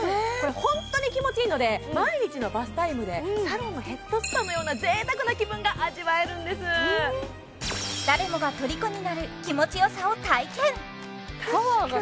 ホントに気持ちいいので毎日のバスタイムでサロンのヘッドスパのようなぜいたくな気分が味わえるんです誰もがとりこになる気持ちよさを体験ホントだ